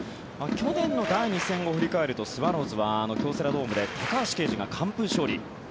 去年の第２戦を振り返るとスワローズは京セラドームで高橋奎二が完封勝利。